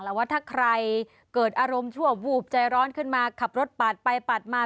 แล้วว่าถ้าใครเกิดอารมณ์ชั่ววูบใจร้อนขึ้นมาขับรถปาดไปปาดมา